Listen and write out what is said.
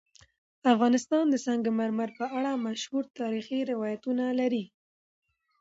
افغانستان د سنگ مرمر په اړه مشهور تاریخی روایتونه لري.